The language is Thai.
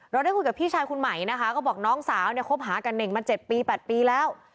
ได้คุยกับพี่ชายคุณใหม่นะคะก็บอกน้องสาวเนี่ยคบหากับเน่งมา๗ปี๘ปีแล้ว